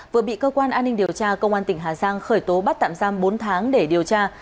vừa bị cơ quan an ninh điều tra công an tỉnh hà giang khởi tố bắt tạm giam bốn tháng để điều tra